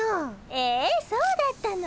えそうだったの？